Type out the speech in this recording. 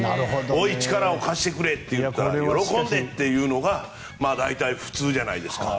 おい、力を貸してくれ喜んでというのが大体、普通じゃないですか。